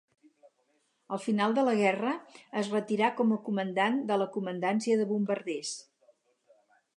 Al final de la guerra es retirà com a Comandant de la Comandància de Bombarders.